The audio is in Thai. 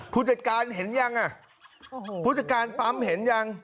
ผู้จัดการเห็นยังอ่ะผู้จัดการปั๊มเห็นยัง